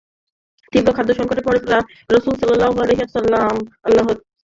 তীব্র খাদ্য-সংকটে পড়ে রাসূল সাল্লাল্লাহু আলাইহি ওয়াসাল্লাম আল্লাহর দরবারে দ্রুত সাহায্য কামনা করেন।